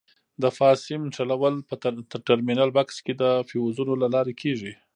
د فاز سیم نښلول په ټرمینل بکس کې د فیوزونو له لارې کېږي.